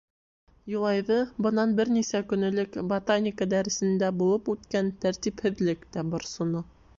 Юлайҙы бынан бер нисә көн элек ботаника дәресендә булып үткән тәртипһеҙлек тә борсоно.